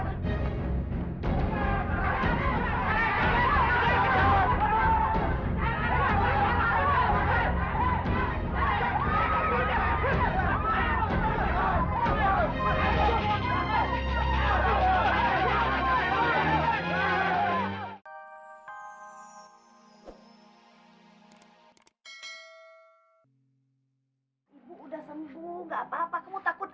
adik dapat uang lagi buat modal